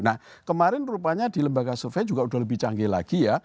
nah kemarin rupanya di lembaga survei juga sudah lebih canggih lagi ya